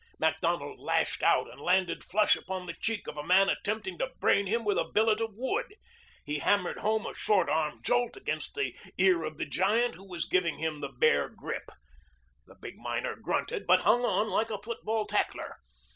Macdonald lashed out and landed flush upon the cheek of a man attempting to brain him with a billet of wood. He hammered home a short arm jolt against the ear of the giant who was giving him the bear grip. The big miner grunted, but hung on like a football tackler.